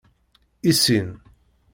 Issin.